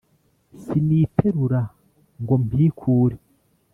siniterura ngo mpikure